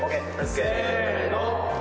せの。